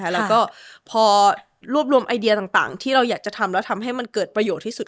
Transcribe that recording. แล้วก็พอรวบรวมไอเดียต่างที่เราอยากจะทำแล้วทำให้มันเกิดประโยชน์ที่สุด